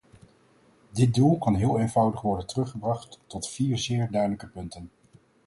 Dit doel kan heel eenvoudig worden teruggebracht tot vier zeer duidelijke punten.